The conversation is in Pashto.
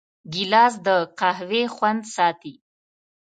ګیلاس د قهوې خوند ساتي.